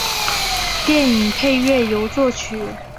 电影配乐由作曲。